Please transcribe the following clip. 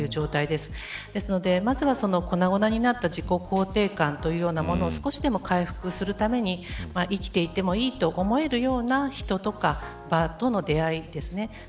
ですので、まずは粉々になった自己肯定感というのものを少しでも回復するために生きていてもいい思えるような人と場との出会いですね。